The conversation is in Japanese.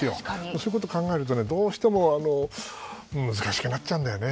そういうことを考えるとどうしても難しくなっちゃうんだよね。